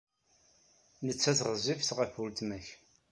Nettat ɣezzifet ɣef weltma-k.